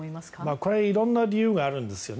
これは色んな理由があるんですよね。